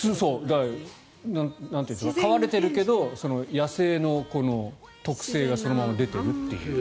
飼われているけど野生の特性がそのまま出ているという。